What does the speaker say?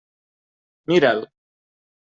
Mira'l.